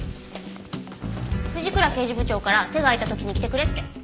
藤倉刑事部長から手が空いた時に来てくれって。